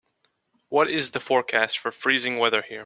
what is the forecast for freezing weather here